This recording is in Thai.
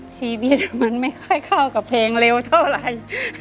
ชีวิตมันไม่ค่อยเข้ากับเพลงเร็วเท่าไหร่